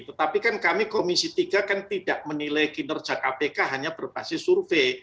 tetapi kan kami komisi tiga kan tidak menilai kinerja kpk hanya berbasis survei